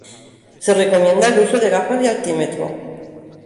Se recomienda el uso de gafas y altímetro.